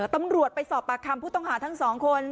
ตำรวจไปสอบปากคำผู้ต้องหาทั้งสองคน